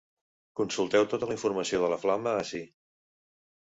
Consulteu tota la informació de la flama ací.